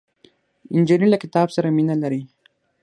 نجلۍ له کتاب سره مینه لري.